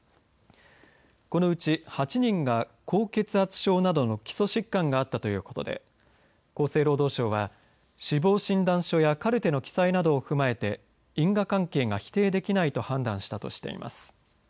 このうち８人が高血圧症などの基礎疾患があったということで厚生労働省は死亡診断書やカルテの記載などを踏まえて因果関係が否定できないと判断したとしています。